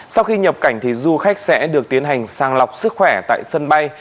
sau khi nhập cảnh du khách sẽ được tiến hành sang lọc sức khỏe tại sân bay